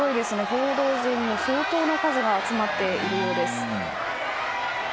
報道陣も相当な数が集まっているようです。